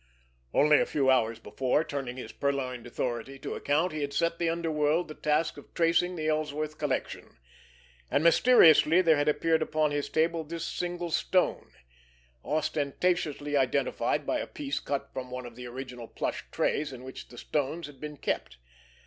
Only a few hours before, turning his purloined authority to account, he had set the underworld the task of tracing the Ellsworth collection—and mysteriously there had appeared upon his table this single stone, ostentatiously identified by a piece cut from one of the original plush trays in which the stones had been kept.